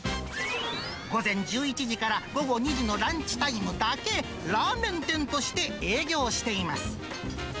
午前１１時から午後２時のランチタイムだけ、ラーメン店として営業しています。